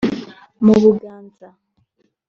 mu Buganza